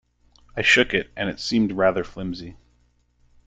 I shook it, and it seemed rather flimsy.